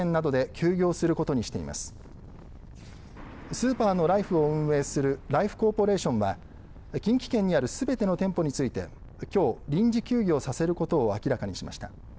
スーパーのライフを運営するライフコーポレーションは近畿圏にあるすべての店舗についてきょう、臨時休業させることを明らかにしました。